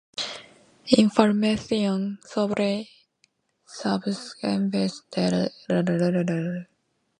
Información sobre subvenciones del Gobierno para estados y organizaciones.